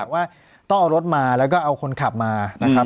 ว่าต้องเอารถมาแล้วก็เอาคนขับมานะครับ